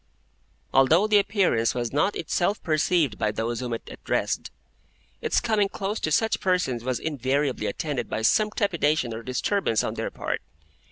Although the Appearance was not itself perceived by those whom it addressed, its coming close to such persons was invariably attended by some trepidation or disturbance on their part.